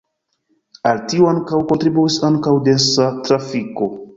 Al tio ankaŭ kontribuis ankaŭ densa trafiko.